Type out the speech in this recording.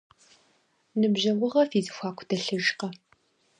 Ныбжьэгъугъэ фи зэхуаку дэлъыжкъэ?